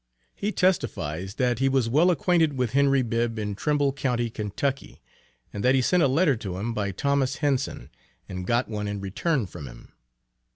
He testifies, that he was well acquainted with Henry Bibb in Trimble County, Ky., and that he sent a letter to him by Thomas Henson, and got one in return from him.